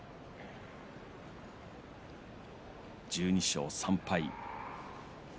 １２勝３敗。